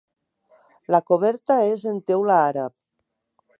La coberta és en teula àrab.